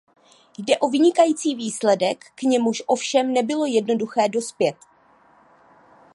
Jde o vynikající výsledek, k němuž ovšem nebylo jednoduché dospět.